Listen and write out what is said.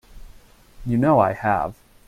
You know I have.